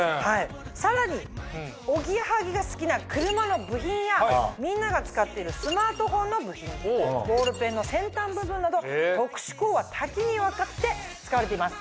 さらにおぎやはぎが好きな車の部品やみんなが使ってるスマートフォンの部品ボールペンの先端部分など特殊鋼は多岐にわたって使われています。